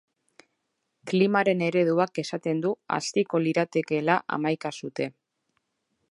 Klimaren ereduak esaten du haziko liratekeela hamaika sute.